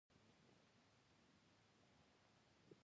سلیمان غر د طبیعي پدیدو یو رنګ دی.